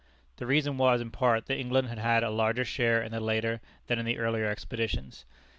The reason was, in part, that England had had a larger share in the later than in the earlier expeditions.